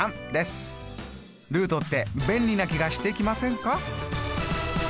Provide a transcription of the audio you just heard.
ルートって便利な気がしてきませんか？